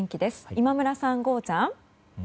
今村さん、ゴーちゃん。